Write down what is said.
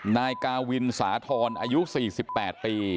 นายกาวินสาธรณ์อายุ๔๘ปี